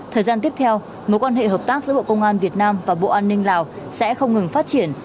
thời gian tiếp theo mối quan hệ hợp tác giữa bộ công an việt nam và bộ an ninh lào sẽ không ngừng phát triển